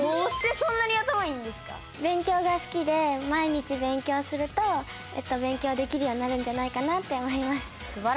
毎日勉強すると勉強できるようになるんじゃないかなって思います。